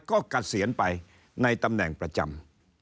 ก็กระเสียนไปในตำแหน่งประจำ